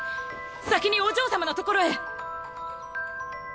先にお嬢様のところへ！